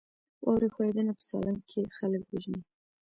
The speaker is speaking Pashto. واورې ښویدنه په سالنګ کې خلک وژني؟